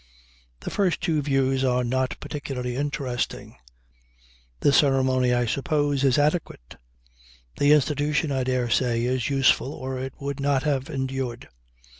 The first two views are not particularly interesting. The ceremony, I suppose, is adequate; the institution, I dare say, is useful or it would not have endured.